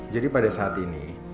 jadi pada saat ini